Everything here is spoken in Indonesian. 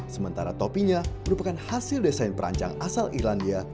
sementara topinya merupakan hasil desain perancang asal irlandia